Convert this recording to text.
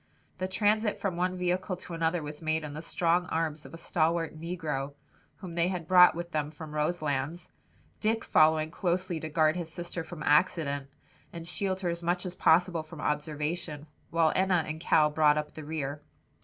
The transit from one vehicle to another was made in the strong arms of a stalwart negro whom they had brought with them from Roselands, Dick following closely to guard his sister from accident, and shield her as much as possible from observation, while Enna and Cal brought up the rear.